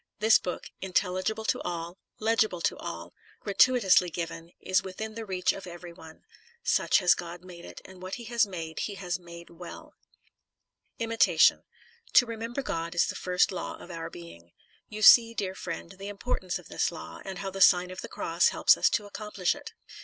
This book, intelligible to all, legible to all, gratuitously given, is within the reach of every one. Such has God made it, and what He has made, He has made well. In the Nineteenth Century. 281 Imitation. To remember God, is the first law of our being. You see, dear friend, the importance of this law, and how the Sign of the Cross helps us to accomplish it.